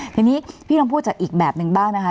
ทีนี้พี่ลองพูดจากอีกแบบนึงบ้างนะคะ